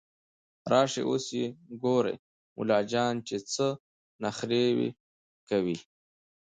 راشئ اوس يې ګورئ ملا جان چې څه نخروې کوي